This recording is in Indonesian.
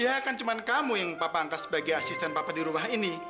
ya kan cuma kamu yang papa angka sebagai asisten papa di rumah ini